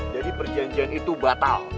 jadi perjanjian itu batal